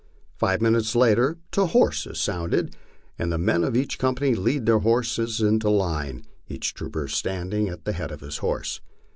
Five minutes later "To horse" is sounded, and the men of each company lead their horses into line, each trooper standing at the head of his horse.